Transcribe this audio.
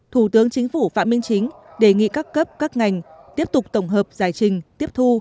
thủ tướng chính phủ phạm minh chính đề nghị các cấp các ngành tiếp tục tổng hợp giải trình tiếp thu